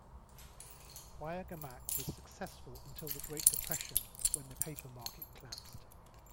Wayagamack was successful until the Great Depression when the paper market collapsed.